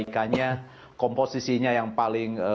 pilihan pemilihan penyiasan di jawa barat